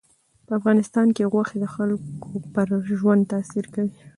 په افغانستان کې غوښې د خلکو پر ژوند تاثیر کوي.